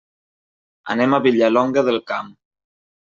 Anem a Vilallonga del Camp.